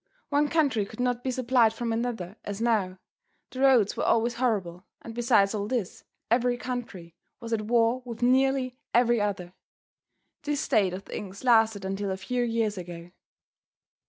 One country could not be supplied from another as now; the roads were always horrible, and besides all this, every country was at war with nearly every other. This state of things lasted until a few years ago.